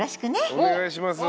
お願いします。